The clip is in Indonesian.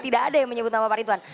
tidak ada yang menyebut nama pak ritwan